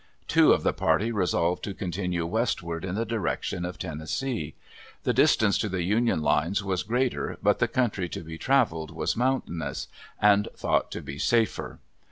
Two of the party resolved to continue westward in the direction of Tennessee. The distance to the Union lines was greater but the country to be traveled was mountainous, and thought to be safer.